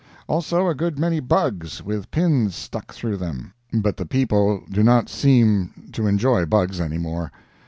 Also, a good many bugs, with pins stuck through them; but the people do not seem to enjoy bugs anymore.